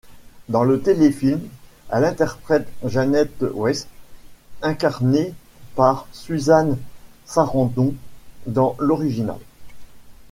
Dans le téléfilm, elle interprète Janet Weiss, incarnée par Susan Sarandon dans l'original.